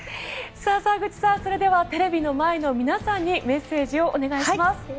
沢口さん、それではテレビの前の皆さんにメッセージをお願いします。